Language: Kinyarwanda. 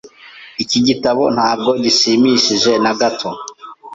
Iki gitabo ntabwo gishimishije na gato.